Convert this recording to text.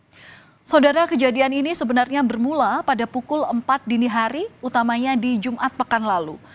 hai saudara kejadian ini sebenarnya bermula pada pukul empat dini hari utamanya di jumat pekan lalu